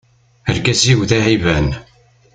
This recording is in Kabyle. Argaz-iw d aɛiban.